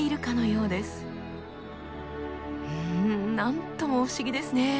うん何とも不思議ですね。